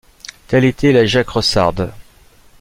Telle était la Jacressarde.